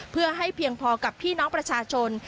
เพื่อให้เพียงพอกับพี่น้องประชาชน